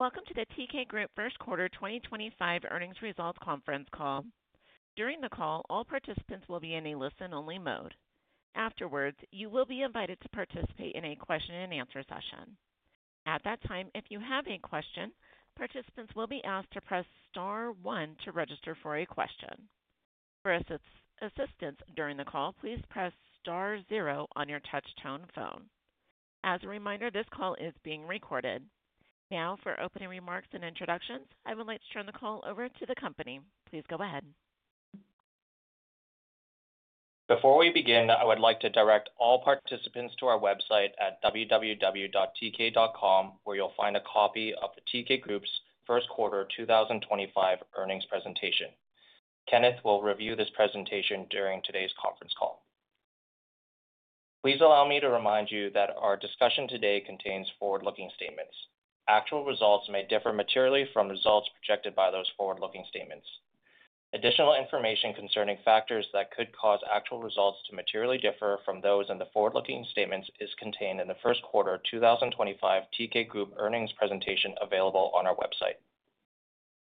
Welcome to the Teekay Group First Quarter 2025 Earnings Results Conference Call. During the call, all participants will be in a listen-only mode. Afterwards, you will be invited to participate in a question-and-answer session. At that time, if you have a question, participants will be asked to press Star One to register for a question. For assistance during the call, please press Star Zero on your touch-tone phone. As a reminder, this call is being recorded. Now, for opening remarks and introductions, I would like to turn the call over to the company. Please go ahead. Before we begin, I would like to direct all participants to our website at www.teekay.com, where you'll find a copy of the Teekay Group's First Quarter 2025 earnings presentation. Kenneth will review this presentation during today's conference call. Please allow me to remind you that our discussion today contains forward-looking statements. Actual results may differ materially from results projected by those forward-looking statements. Additional information concerning factors that could cause actual results to materially differ from those in the forward-looking statements is contained in the First Quarter 2025 Teekay Group earnings presentation available on our website.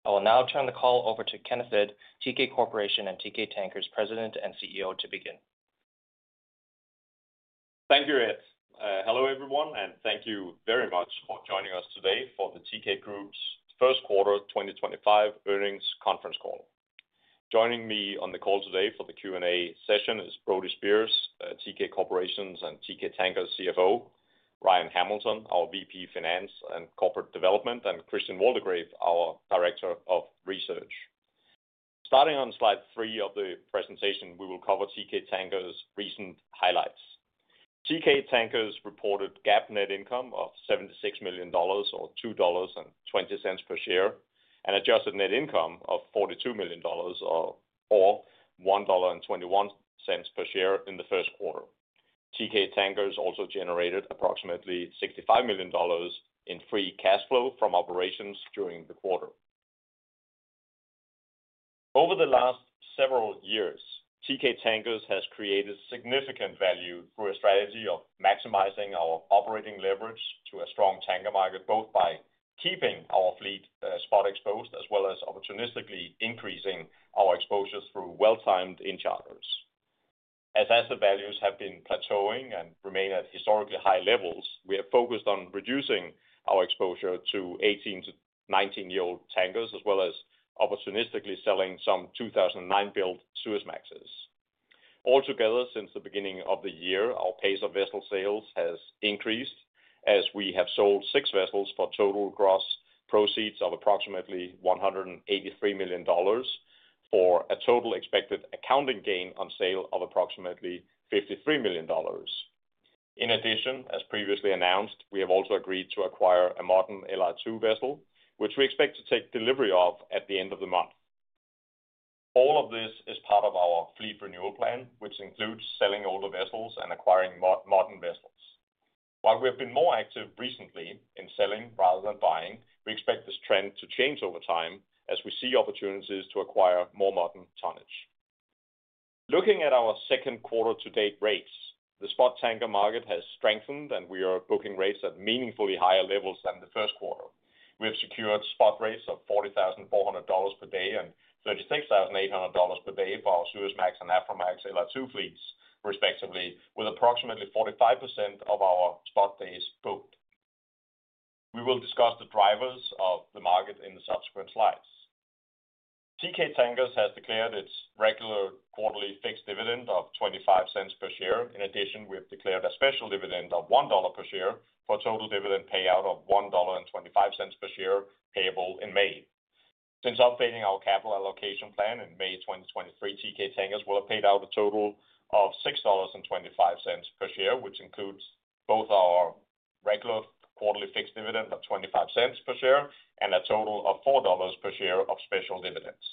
I will now turn the call over to Kenneth Hvid, Teekay Corporation and Teekay Tankers President and CEO, to begin. Thank you, Ed. Hello, everyone, and thank you very much for joining us today for the Teekay Group's First Quarter 2025 earnings conference call. Joining me on the call today for the Q&A session is Brody Speers, Teekay Corporation's and Teekay Tankers' CFO, Ryan Hamilton, our VP Finance and Corporate Development, and Christian Waldegrave, our Director of Research. Starting on slide three of the presentation, we will cover Teekay Tankers' recent highlights. Teekay Tankers reported GAAP net income of $76 million, or $2.20 per share, and adjusted net income of $42 million, or $1.21 per share in the first quarter. Teekay Tankers also generated approximately $65 million in free cash flow from operations during the quarter. Over the last several years, Teekay Tankers has created significant value through a strategy of maximizing our operating leverage to a strong tanker market, both by keeping our fleet spot-exposed as well as opportunistically increasing our exposure through well-timed enhancements. As asset values have been plateauing and remain at historically high levels, we have focused on reducing our exposure to 18 to 19-year-old tankers, as well as opportunistically selling some 2009-built Suezmaxes. Altogether, since the beginning of the year, our pace of vessel sales has increased as we have sold six vessels for total gross proceeds of approximately $183 million for a total expected accounting gain on sale of approximately $53 million. In addition, as previously announced, we have also agreed to acquire a modern LR2 vessel, which we expect to take delivery of at the end of the month. All of this is part of our fleet renewal plan, which includes selling older vessels and acquiring modern vessels. While we have been more active recently in selling rather than buying, we expect this trend to change over time as we see opportunities to acquire more modern tonnage. Looking at our second quarter-to-date rates, the spot tanker market has strengthened, and we are booking rates at meaningfully higher levels than the first quarter. We have secured spot rates of $40,400 per day and $36,800 per day for our Suezmax and Aframax LR2 fleets, respectively, with approximately 45% of our spot days booked. We will discuss the drivers of the market in the subsequent slides. Teekay Tankers has declared its regular quarterly fixed dividend of $0.25 per share. In addition, we have declared a special dividend of $1 per share for a total dividend payout of $1.25 per share payable in May. Since updating our capital allocation plan in May 2023, Teekay Tankers will have paid out a total of $6.25 per share, which includes both our regular quarterly fixed dividend of $0.25 per share and a total of $4 per share of special dividends.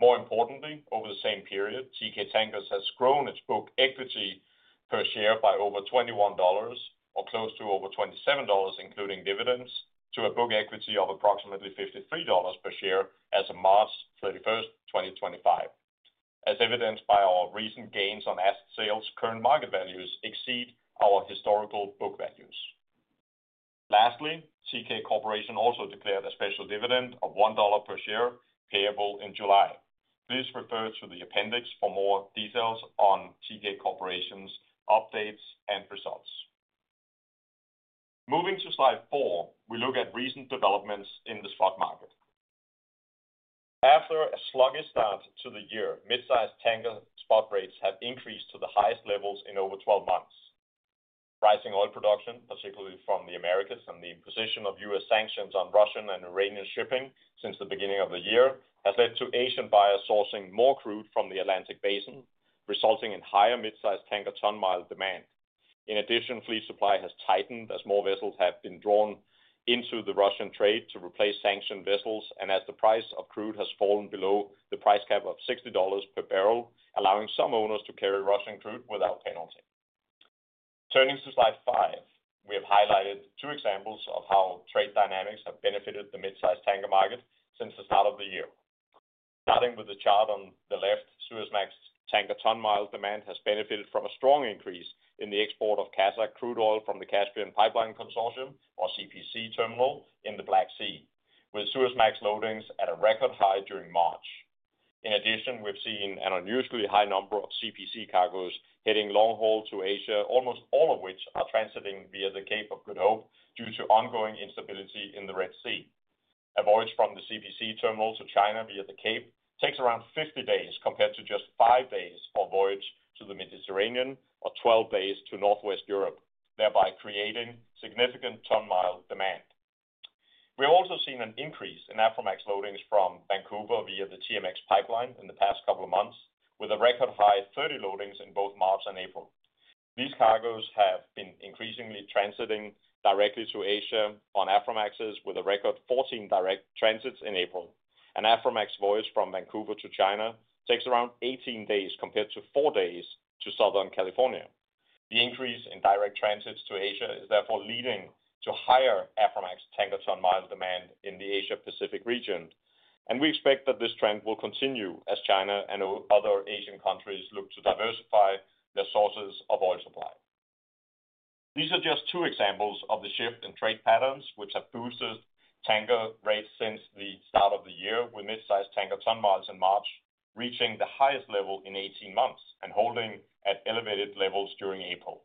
More importantly, over the same period, Teekay Tankers has grown its book equity per share by over $21, or close to over $27, including dividends, to a book equity of approximately $53 per share as of March 31, 2025, as evidenced by our recent gains on asset sales. Current market values exceed our historical book values. Lastly, Teekay Corporation also declared a special dividend of $1 per share payable in July. Please refer to the appendix for more details on Teekay Corporation's updates and results. Moving to slide four, we look at recent developments in the spot market. After a sluggish start to the year, mid-size tanker spot rates have increased to the highest levels in over 12 months. Pricing oil production, particularly from the Americas and the imposition of U.S. sanctions on Russian and Iranian shipping since the beginning of the year, has led to Asian buyers sourcing more crude from the Atlantic Basin, resulting in higher mid-size tanker ton-mile demand. In addition, fleet supply has tightened as more vessels have been drawn into the Russian trade to replace sanctioned vessels, and as the price of crude has fallen below the price cap of $60 per barrel, allowing some owners to carry Russian crude without penalty. Turning to slide five, we have highlighted two examples of how trade dynamics have benefited the mid-size tanker market since the start of the year. Starting with the chart on the left, Suezmax tanker ton-mile demand has benefited from a strong increase in the export of Kazakh crude oil from the Caspian Pipeline Consortium, or CPC, terminal in the Black Sea, with Suezmax loadings at a record high during March. In addition, we've seen an unusually high number of CPC cargoes heading long haul to Asia, almost all of which are transiting via the Cape of Good Hope due to ongoing instability in the Red Sea. A voyage from the CPC terminal to China via the Cape takes around 50 days compared to just five days for a voyage to the Mediterranean or 12 days to Northwest Europe, thereby creating significant ton-mile demand. We have also seen an increase in Aframax loadings from Vancouver via the TMX pipeline in the past couple of months, with a record high of 30 loadings in both March and April. These cargoes have been increasingly transiting directly to Asia on Aframaxes, with a record 14 direct transits in April. An Aframax voyage from Vancouver to China takes around 18 days compared to four days to Southern California. The increase in direct transits to Asia is therefore leading to higher Aframax tanker ton-mile demand in the Asia-Pacific region, and we expect that this trend will continue as China and other Asian countries look to diversify their sources of oil supply. These are just two examples of the shift in trade patterns, which have boosted tanker rates since the start of the year, with mid-size tanker ton-miles in March reaching the highest level in 18 months and holding at elevated levels during April.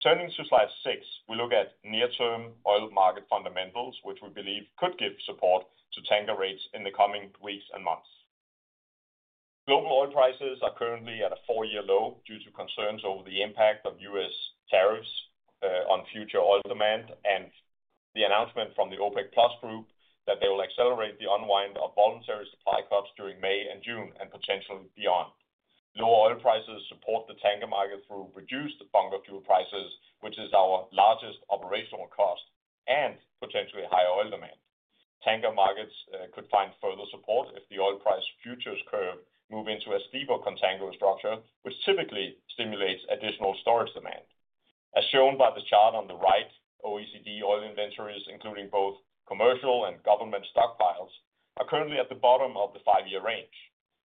Turning to slide six, we look at near-term oil market fundamentals, which we believe could give support to tanker rates in the coming weeks and months. Global oil prices are currently at a four-year low due to concerns over the impact of U.S. tariffs on future oil demand and the announcement from the OPEC Plus Group that they will accelerate the unwind of voluntary supply cuts during May and June and potentially beyond. Lower oil prices support the tanker market through reduced tanker fuel prices, which is our largest operational cost and potentially higher oil demand. Tanker markets could find further support if the oil price futures curve move into a steeper contango structure, which typically stimulates additional storage demand. As shown by the chart on the right, OECD oil inventories, including both commercial and government stockpiles, are currently at the bottom of the five-year range.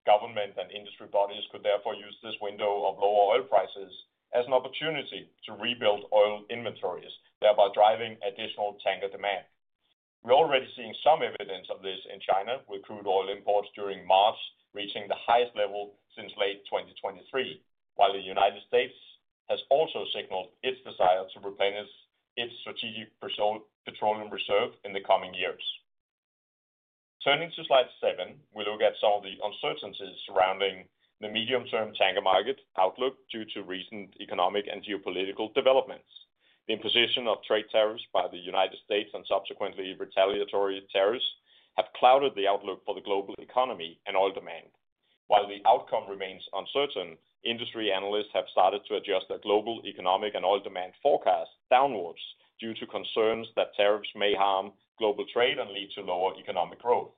Government and industry bodies could therefore use this window of lower oil prices as an opportunity to rebuild oil inventories, thereby driving additional tanker demand. We're already seeing some evidence of this in China, with crude oil imports during March reaching the highest level since late 2023, while the United States has also signaled its desire to replenish its strategic petroleum reserve in the coming years. Turning to slide seven, we look at some of the uncertainties surrounding the medium-term tanker market outlook due to recent economic and geopolitical developments. The imposition of trade tariffs by the United States and subsequently retaliatory tariffs have clouded the outlook for the global economy and oil demand. While the outcome remains uncertain, industry analysts have started to adjust their global economic and oil demand forecasts downwards due to concerns that tariffs may harm global trade and lead to lower economic growth.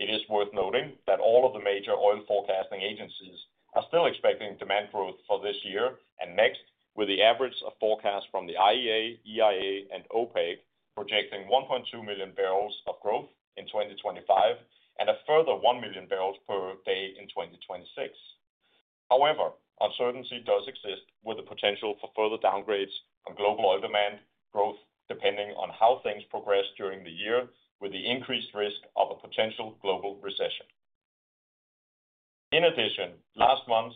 It is worth noting that all of the major oil forecasting agencies are still expecting demand growth for this year and next, with the average forecast from the IEA, EIA, and OPEC projecting 1.2 million barrels of growth in 2025 and a further 1 million barrels per day in 2026. However, uncertainty does exist, with the potential for further downgrades on global oil demand growth depending on how things progress during the year, with the increased risk of a potential global recession. In addition, last month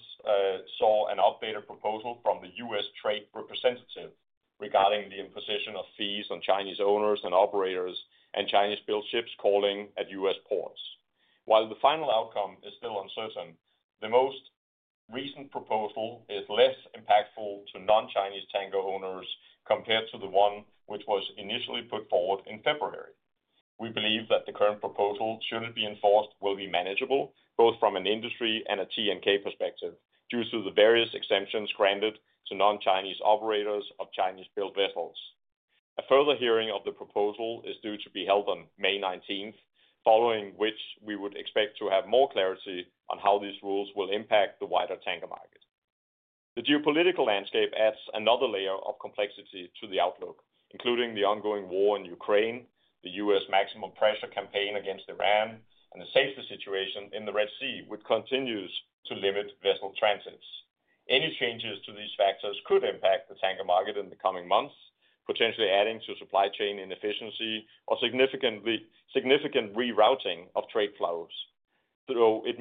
saw an updated proposal from the U.S. Trade Representative regarding the imposition of fees on Chinese owners and operators and Chinese-built ships calling at U.S. ports. While the final outcome is still uncertain, the most recent proposal is less impactful to non-Chinese tanker owners compared to the one which was initially put forward in February. We believe that the current proposal, should it be enforced, will be manageable both from an industry and a TNK perspective due to the various exemptions granted to non-Chinese operators of Chinese-built vessels. A further hearing of the proposal is due to be held on May 19, following which we would expect to have more clarity on how these rules will impact the wider tanker market. The geopolitical landscape adds another layer of complexity to the outlook, including the ongoing war in Ukraine, the U.S. maximum pressure campaign against Iran, and the safety situation in the Red Sea, which continues to limit vessel transits. Any changes to these factors could impact the tanker market in the coming months, potentially adding to supply chain inefficiency or significant rerouting of trade flows, though it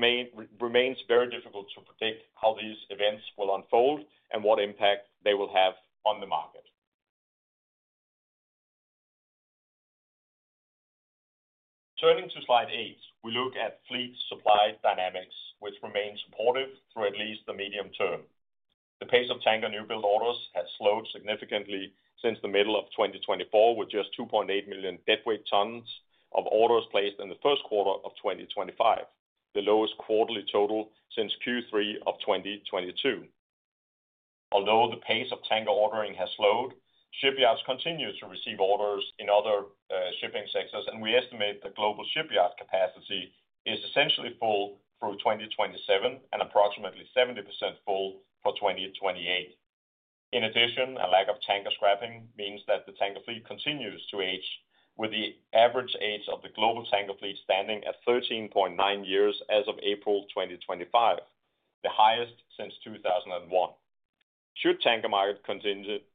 remains very difficult to predict how these events will unfold and what impact they will have on the market. Turning to slide eight, we look at fleet supply dynamics, which remain supportive through at least the medium term. The pace of tanker new build orders has slowed significantly since the middle of 2024, with just 2.8 million deadweight tons of orders placed in the first quarter of 2025, the lowest quarterly total since Q3 of 2022. Although the pace of tanker ordering has slowed, shipyards continue to receive orders in other shipping sectors, and we estimate the global shipyard capacity is essentially full through 2027 and approximately 70% full for 2028. In addition, a lack of tanker scrapping means that the tanker fleet continues to age, with the average age of the global tanker fleet standing at 13.9 years as of April 2025, the highest since 2001. Should tanker market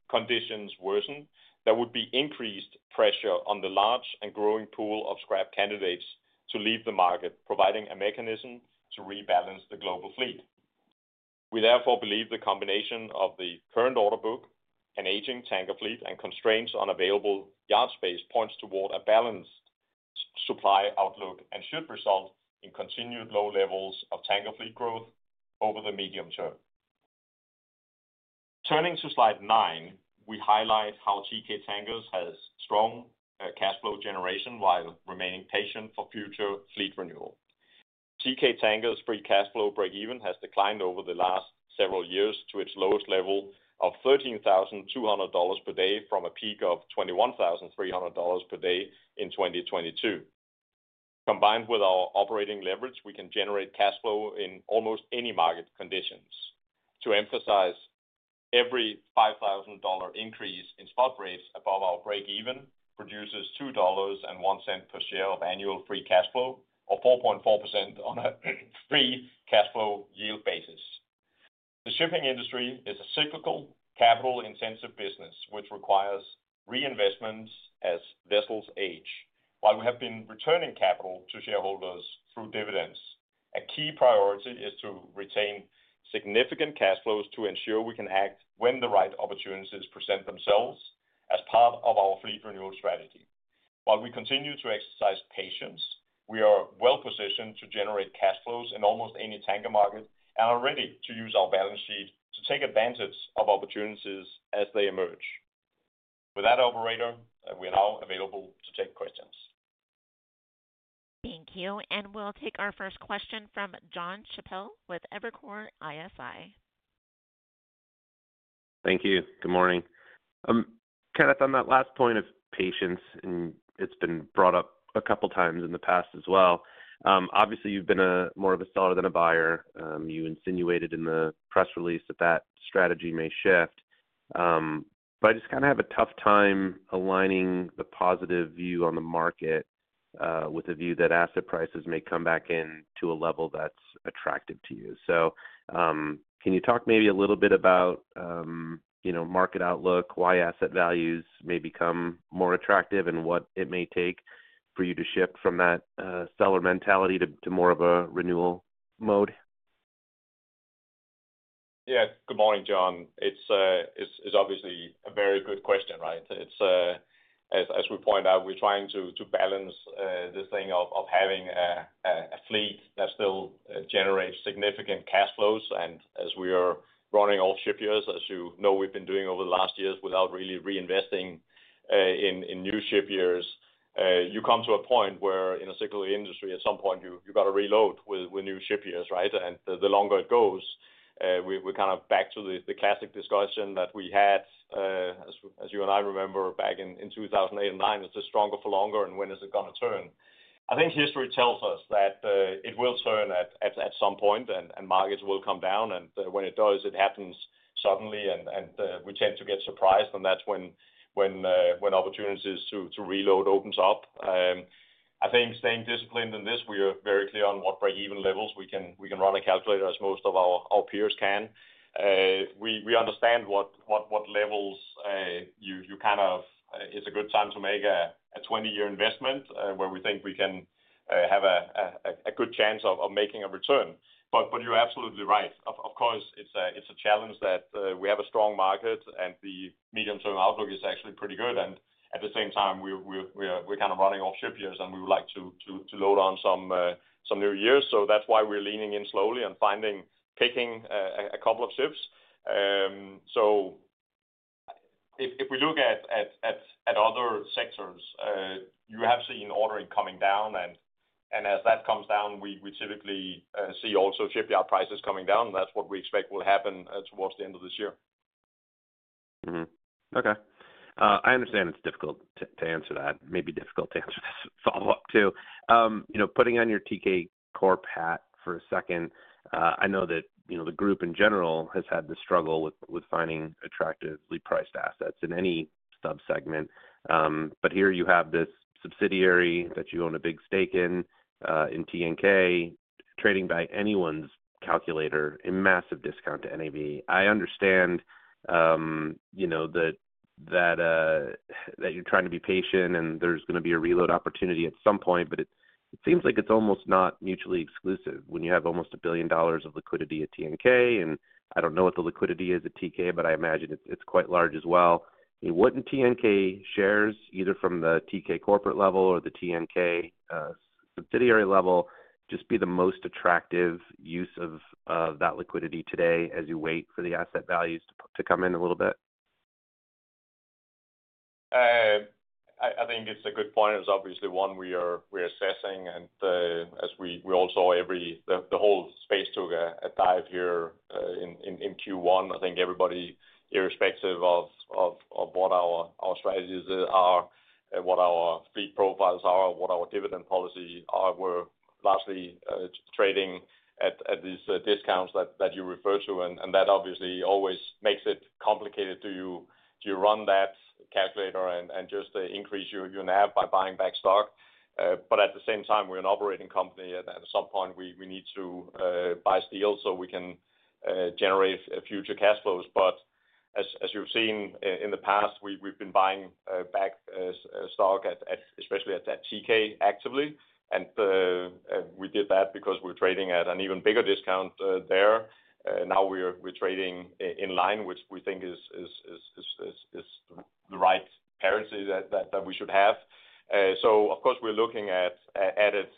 conditions worsen, there would be increased pressure on the large and growing pool of scrap candidates to leave the market, providing a mechanism to rebalance the global fleet. We therefore believe the combination of the current order book, an aging tanker fleet, and constraints on available yard space points toward a balanced supply outlook and should result in continued low levels of tanker fleet growth over the medium term. Turning to slide nine, we highlight how Teekay Tankers has strong cash flow generation while remaining patient for future fleet renewal. Teekay Tankers' free cash flow break-even has declined over the last several years to its lowest level of $13,200 per day from a peak of $21,300 per day in 2022. Combined with our operating leverage, we can generate cash flow in almost any market conditions. To emphasize, every $5,000 increase in spot rates above our break-even produces $2.01 per share of annual free cash flow, or 4.4% on a free cash flow yield basis. The shipping industry is a cyclical, capital-intensive business, which requires reinvestments as vessels age. While we have been returning capital to shareholders through dividends, a key priority is to retain significant cash flows to ensure we can act when the right opportunities present themselves as part of our fleet renewal strategy. While we continue to exercise patience, we are well-positioned to generate cash flows in almost any tanker market and are ready to use our balance sheet to take advantage of opportunities as they emerge. With that, operator, we are now available to take questions. Thank you. We'll take our first question from Jon Chappell with Evercore ISI. Thank you. Good morning. Kind of on that last point of patience, and it's been brought up a couple of times in the past as well. Obviously, you've been more of a seller than a buyer. You insinuated in the press release that that strategy may shift. I just kind of have a tough time aligning the positive view on the market with a view that asset prices may come back into a level that's attractive to you. Can you talk maybe a little bit about market outlook, why asset values may become more attractive, and what it may take for you to shift from that seller mentality to more of a renewal mode? Yeah. Good morning, Jon. It's obviously a very good question, right? As we point out, we're trying to balance this thing of having a fleet that still generates significant cash flows. And as we are running off ship years, as you know we've been doing over the last years without really reinvesting in new ship years, you come to a point where in a cyclical industry, at some point, you've got to reload with new ship years, right? The longer it goes, we're kind of back to the classic discussion that we had, as you and I remember, back in 2008 and 2009, it's just stronger for longer, and when is it going to turn? I think history tells us that it will turn at some point, and markets will come down. When it does, it happens suddenly, and we tend to get surprised, and that's when opportunities to reload open up. I think staying disciplined in this, we are very clear on what break-even levels we can run a calculator, as most of our peers can. We understand what levels you kind of—it's a good time to make a 20-year investment where we think we can have a good chance of making a return. You're absolutely right. Of course, it's a challenge that we have a strong market, and the medium-term outlook is actually pretty good. At the same time, we're kind of running off ship years, and we would like to load on some new years. That's why we're leaning in slowly and picking a couple of ships. If we look at other sectors, you have seen ordering coming down, and as that comes down, we typically see also shipyard prices coming down. That's what we expect will happen towards the end of this year. Okay. I understand it's difficult to answer that. Maybe difficult to answer this follow-up too. Putting on your Teekay Corp hat for a second, I know that the group in general has had to struggle with finding attractively priced assets in any subsegment. Here you have this subsidiary that you own a big stake in, in TNK, trading by anyone's calculator, a massive discount to NAV. I understand that you're trying to be patient, and there's going to be a reload opportunity at some point, but it seems like it's almost not mutually exclusive when you have almost a billion dollars of liquidity at TNK. I don't know what the liquidity is at Teekay, but I imagine it's quite large as well. Wouldn't TNK shares, either from the Teekay corporate level or the TNK subsidiary level, just be the most attractive use of that liquidity today as you wait for the asset values to come in a little bit? I think it's a good point. It's obviously one we are assessing, and as we all saw, the whole space took a dive here in Q1. I think everybody, irrespective of what our strategies are, what our fleet profiles are, what our dividend policies are, we're largely trading at these discounts that you refer to. That obviously always makes it complicated. Do you run that calculator and just increase your NAV by buying back stock? At the same time, we're an operating company, and at some point, we need to buy steel so we can generate future cash flows. As you've seen in the past, we've been buying back stock, especially at Teekay, actively. We did that because we were trading at an even bigger discount there. Now we're trading in line, which we think is the right currency that we should have. Of course, we're looking at it,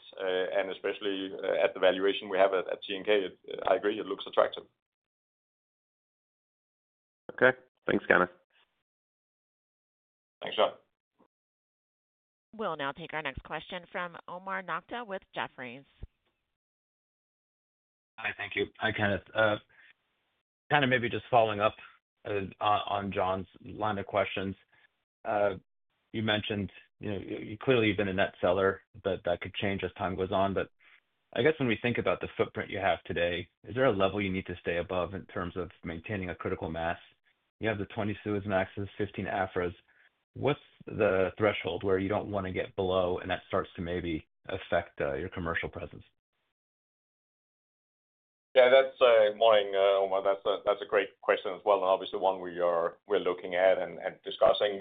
and especially at the valuation we have at Teekay. I agree. It looks attractive. Okay. Thanks, Kenneth. Thanks, Jon. We'll now take our next question from Omar Nokta with Jefferies. Hi. Thank you. Hi, Kenneth. Kind of maybe just following up on Jon line of questions. You mentioned clearly you've been a net seller, but that could change as time goes on. I guess when we think about the footprint you have today, is there a level you need to stay above in terms of maintaining a critical mass? You have the 20 Suezmaxes, 15 Afras. What's the threshold where you don't want to get below, and that starts to maybe affect your commercial presence? Yeah. That's a great question as well, and obviously one we are looking at and discussing.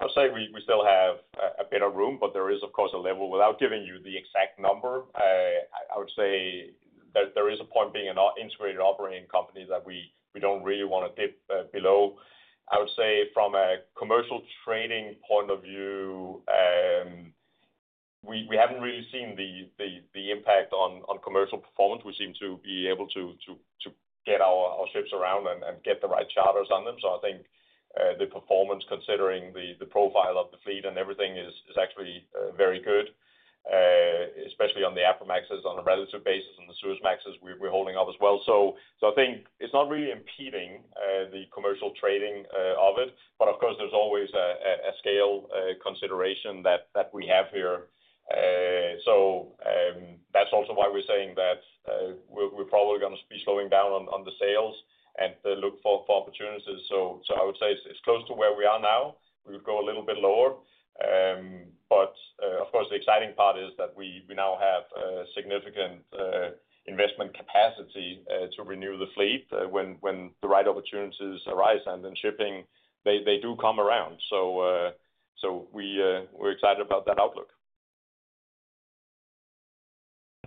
I would say we still have a bit of room, but there is, of course, a level. Without giving you the exact number, I would say there is a point being an integrated operating company that we do not really want to dip below. I would say from a commercial trading point of view, we have not really seen the impact on commercial performance. We seem to be able to get our ships around and get the right charters on them. I think the performance, considering the profile of the fleet and everything, is actually very good, especially on the Aframaxes on a relative basis. On the Suezmaxes, we are holding up as well. I think it is not really impeding the commercial trading of it. Of course, there is always a scale consideration that we have here. That is also why we are saying that we are probably going to be slowing down on the sales and look for opportunities. I would say it's close to where we are now. We would go a little bit lower. Of course, the exciting part is that we now have significant investment capacity to renew the fleet when the right opportunities arise. In shipping, they do come around. We're excited about that outlook.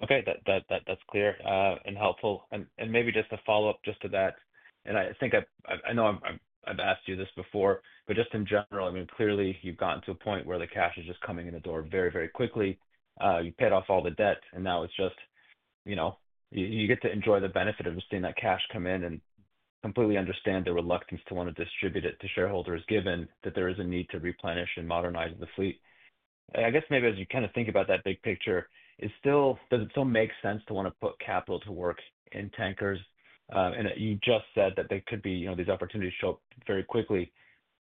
Okay. That's clear and helpful. Maybe just a follow-up to that. I think I know I've asked you this before, but just in general, I mean, clearly you've gotten to a point where the cash is just coming in the door very, very quickly. You paid off all the debt, and now you get to enjoy the benefit of just seeing that cash come in. I completely understand the reluctance to want to distribute it to shareholders, given that there is a need to replenish and modernize the fleet. I guess maybe as you kind of think about that big picture, does it still make sense to want to put capital to work in tankers? You just said that there could be these opportunities show up very quickly.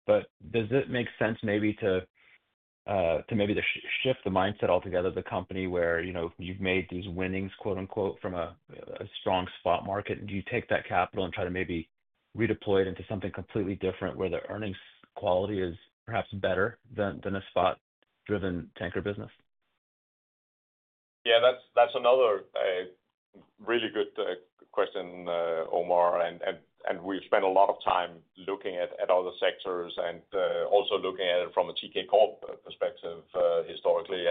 Does it make sense maybe to maybe shift the mindset altogether of the company where you've made these winnings, quote-unquote, from a strong spot market? Do you take that capital and try to maybe redeploy it into something completely different where the earnings quality is perhaps better than a spot-driven tanker business? Yeah. That's another really good question, Omar. We've spent a lot of time looking at other sectors and also looking at it from a Teekay Corp perspective historically.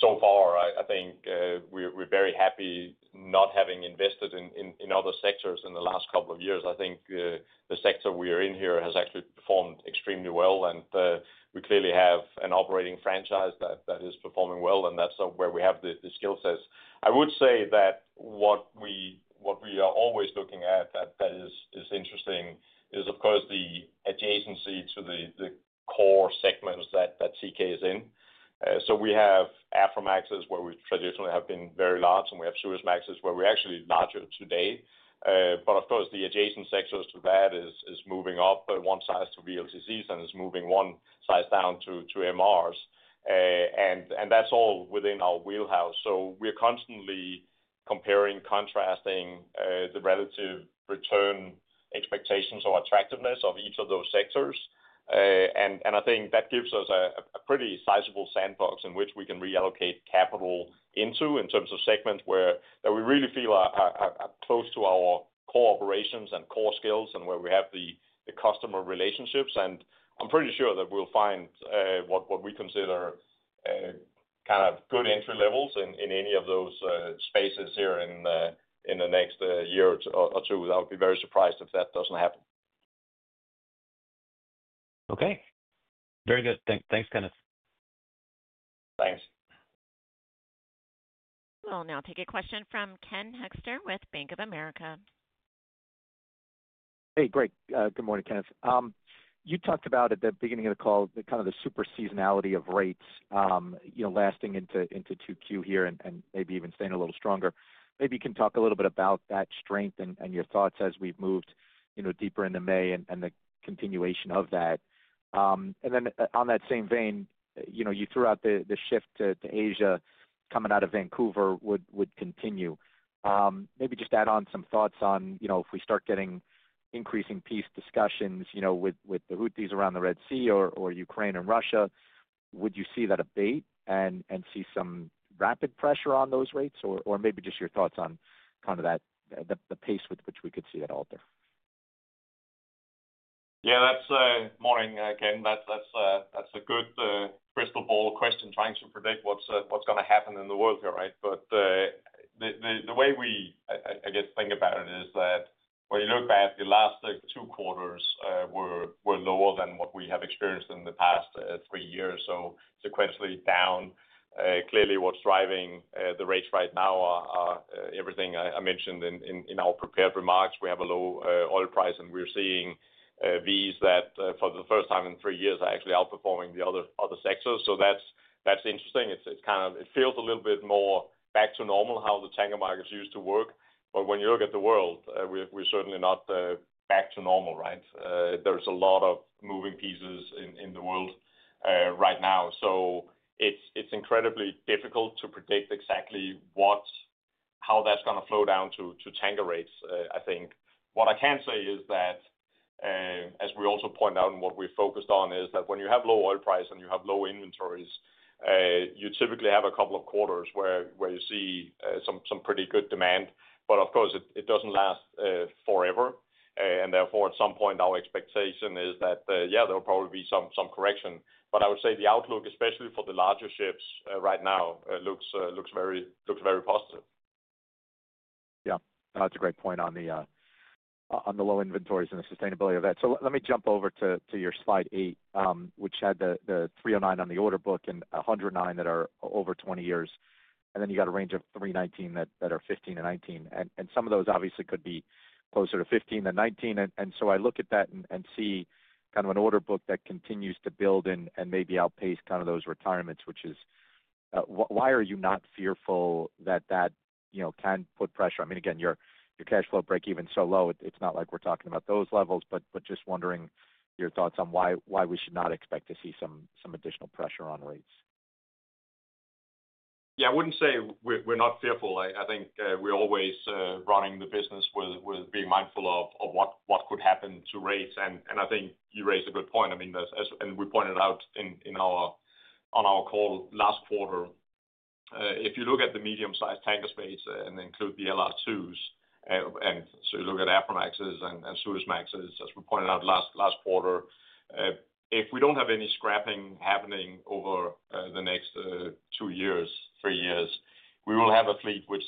So far, I think we're very happy not having invested in other sectors in the last couple of years. I think the sector we are in here has actually performed extremely well, and we clearly have an operating franchise that is performing well, and that's where we have the skill sets. I would say that what we are always looking at that is interesting is, of course, the adjacency to the core segments that Teekay is in. We have Aframaxes where we traditionally have been very large, and we have Suezmaxes where we're actually larger today. Of course, the adjacent sectors to that is moving up one size to VLCCs and is moving one size down to MRs. That is all within our wheelhouse. We are constantly comparing, contrasting the relative return expectations or attractiveness of each of those sectors. I think that gives us a pretty sizable sandbox in which we can reallocate capital into in terms of segments where we really feel close to our core operations and core skills and where we have the customer relationships. I'm pretty sure that we'll find what we consider kind of good entry levels in any of those spaces here in the next year or two. I would be very surprised if that does not happen. Okay. Very good. Thanks, Kenneth. Thanks. We'll now take a question from Ken Hoexter with Bank of America. Hey, great. Good morning, Kenneth. You talked about at the beginning of the call kind of the super seasonality of rates lasting into Q2 here and maybe even staying a little stronger. Maybe you can talk a little bit about that strength and your thoughts as we've moved deeper into May and the continuation of that. On that same vein, you threw out the shift to Asia coming out of Vancouver would continue. Maybe just add on some thoughts on if we start getting increasing peace discussions with the Houthis around the Red Sea or Ukraine and Russia, would you see that abate and see some rapid pressure on those rates, or maybe just your thoughts on kind of the pace with which we could see that alter? Yeah. Morning, Ken. That's a good crystal ball question, trying to predict what's going to happen in the world here, right? The way we, I guess, think about it is that when you look back, the last two quarters were lower than what we have experienced in the past three years, so sequentially down. Clearly, what's driving the rates right now are everything I mentioned in our prepared remarks. We have a low oil price, and we're seeing VLCCs that for the first time in three years are actually outperforming the other sectors. That's interesting. It feels a little bit more back to normal how the tanker markets used to work. When you look at the world, we're certainly not back to normal, right? There are a lot of moving pieces in the world right now. It's incredibly difficult to predict exactly how that's going to flow down to tanker rates, I think. What I can say is that, as we also point out and what we've focused on, is that when you have low oil price and you have low inventories, you typically have a couple of quarters where you see some pretty good demand. Of course, it doesn't last forever. Therefore, at some point, our expectation is that, yeah, there will probably be some correction. I would say the outlook, especially for the larger ships right now, looks very positive. Yeah. That's a great point on the low inventories and the sustainability of that. Let me jump over to your slide 8, which had the 309 on the order book and 109 that are over 20 years. Then you got a range of 319 that are 15-19. Some of those obviously could be closer to 15 than 19. I look at that and see kind of an order book that continues to build and maybe outpace kind of those retirements, which is why are you not fearful that that can put pressure? I mean, again, your cash flow break-even is so low, it's not like we're talking about those levels. Just wondering your thoughts on why we should not expect to see some additional pressure on rates. Yeah. I would not say we are not fearful. I think we are always running the business with being mindful of what could happen to rates. I think you raise a good point. I mean, as we pointed out on our call last quarter, if you look at the medium-sized tanker space and include the LR2s, and so you look at Aframaxes and Suezmaxes, as we pointed out last quarter, if we do not have any scrapping happening over the next two years, three years, we will have a fleet which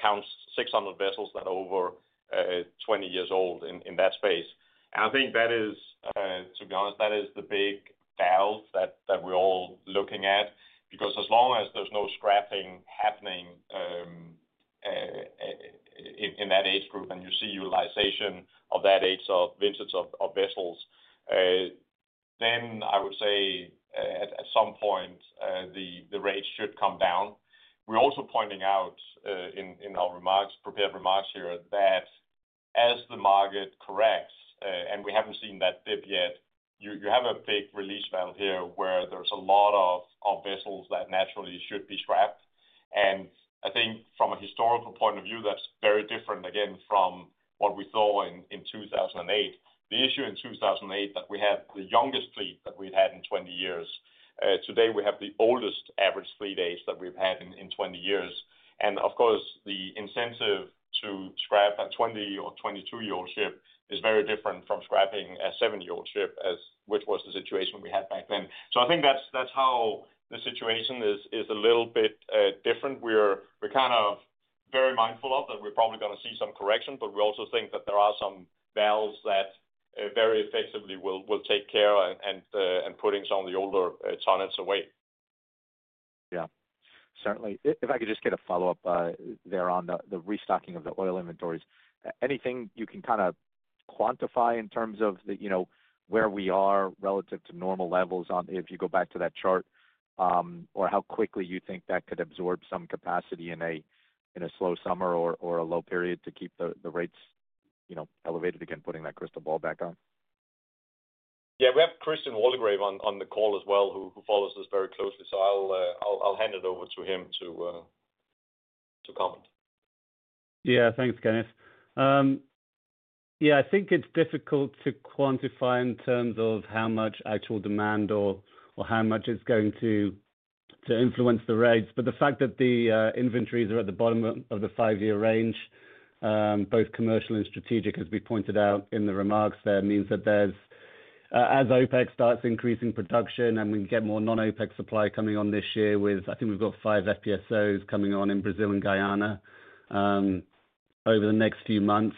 counts 600 vessels that are over 20 years old in that space. I think that is, to be honest, that is the big valve that we are all looking at. Because as long as there's no scrapping happening in that age group and you see utilization of that age of vintage of vessels, then I would say at some point, the rates should come down. We're also pointing out in our prepared remarks here that as the market corrects and we haven't seen that dip yet, you have a big release valve here where there's a lot of vessels that naturally should be scrapped. I think from a historical point of view, that's very different, again, from what we saw in 2008. The issue in 2008 was that we had the youngest fleet that we'd had in 20 years. Today, we have the oldest average fleet age that we've had in 20 years. Of course, the incentive to scrap a 20- or 22-year-old ship is very different from scrapping a 7-year-old ship, which was the situation we had back then. I think that's how the situation is a little bit different. We're kind of very mindful of that. We're probably going to see some correction, but we also think that there are some valves that very effectively will take care and put some of the older tonnage away. Yeah. Certainly. If I could just get a follow-up there on the restocking of the oil inventories, anything you can kind of quantify in terms of where we are relative to normal levels if you go back to that chart or how quickly you think that could absorb some capacity in a slow summer or a low period to keep the rates elevated again, putting that crystal ball back on? Yeah. We have Christian Waldegrave on the call as well, who follows this very closely. I'll hand it over to him to comment. Yeah. Thanks, Kenneth. Yeah. I think it's difficult to quantify in terms of how much actual demand or how much it's going to influence the rates. The fact that the inventories are at the bottom of the five-year range, both commercial and strategic, as we pointed out in the remarks there, means that as OPEC starts increasing production and we get more non-OPEC supply coming on this year with, I think we've got five FPSOs coming on in Brazil and Guyana over the next few months,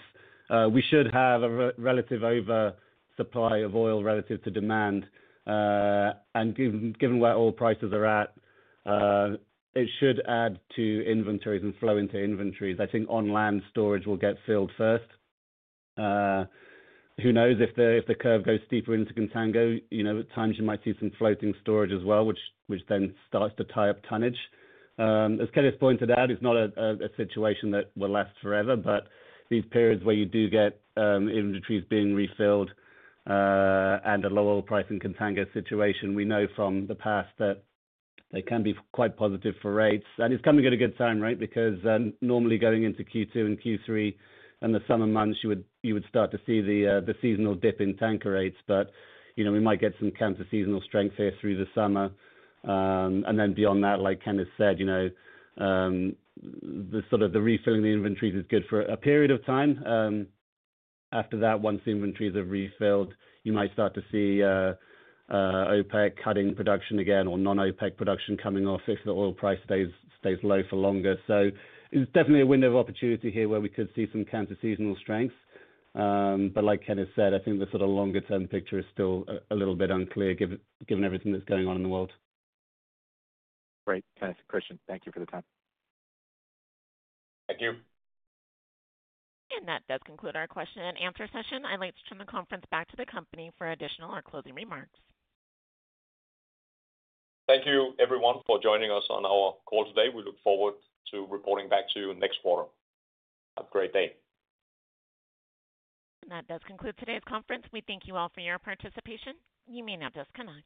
we should have a relative oversupply of oil relative to demand. Given where oil prices are at, it should add to inventories and flow into inventories. I think on-land storage will get filled first. Who knows if the curve goes steeper into contango, at times you might see some floating storage as well, which then starts to tie up tonnage. As Kenneth pointed out, it is not a situation that will last forever. These periods where you do get inventories being refilled and a low oil price in a contango situation, we know from the past that they can be quite positive for rates. It is coming at a good time, right? Normally going into Q2 and Q3 and the summer months, you would start to see the seasonal dip in tanker rates. We might get some counter-seasonal strength here through the summer. Beyond that, like Kenneth said, sort of the refilling of the inventories is good for a period of time. After that, once the inventories are refilled, you might start to see OPEC cutting production again or non-OPEC production coming off if the oil price stays low for longer. It is definitely a window of opportunity here where we could see some counter-seasonal strength. Like Kenneth said, I think the sort of longer-term picture is still a little bit unclear given everything that is going on in the world. Great. Kenneth, Christian, thank you for the time. Thank you. That does conclude our question and answer session. I would like to turn the conference back to the company for additional or closing remarks. Thank you, everyone, for joining us on our call today. We look forward to reporting back to you next quarter. Have a great day. That does conclude today's conference. We thank you all for your participation. You may now disconnect.